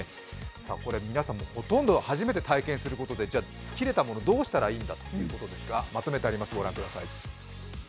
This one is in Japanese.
これ、皆さん、ほとんど初めて体験することでじゃ、切れたもの、どうしたらいいんだということ、まとめてあります、ご覧ください。